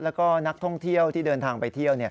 แล้วก็นักท่องเที่ยวที่เดินทางไปเที่ยว